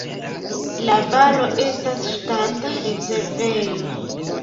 La valo estas ŝtata rezervejo.